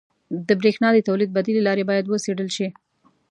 • د برېښنا د تولید بدیلې لارې باید وڅېړل شي.